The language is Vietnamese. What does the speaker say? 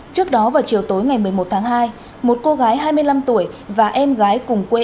trước đó vào chiều tối ngày một mươi một tháng hai một cô gái hai mươi năm tuổi và em gái cùng quê